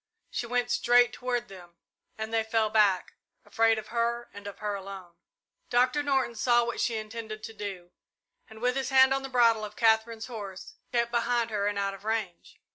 She went straight toward them, and they fell back, afraid of her and of her alone. Doctor Norton saw what she intended to do, and, with his hand on the bridle of Katherine's horse, kept behind her and out of range.